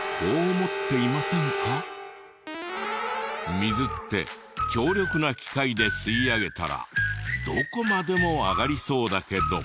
水って強力な機械で吸い上げたらどこまでも上がりそうだけど。